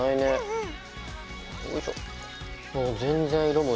うん！